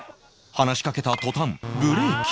話しかけた途端ブレーキ